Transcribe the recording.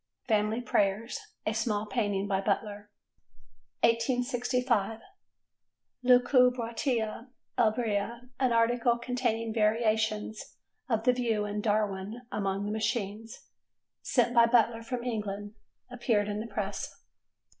"Family Prayers": a small painting by Butler. 1865. "Lucubratio Ebria," an article, containing variations of the view in "Darwin among the Machines," sent by Butler from England, appeared in the Press.